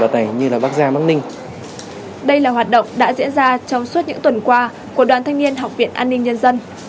đây là hoạt động đã diễn ra trong suốt những tuần qua của đoàn thanh niên học viện an ninh nhân dân